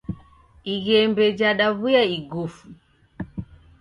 Ighembe jadaw'uya igufu.